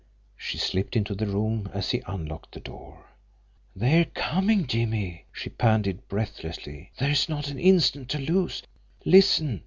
She slipped into the room as he unlocked the door. "They're coming, Jimmie!" she panted breathlessly. "There's not an instant to lose! Listen!